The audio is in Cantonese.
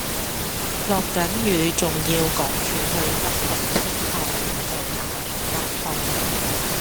落緊雨仲要趕住去北角天后廟道打乒乓波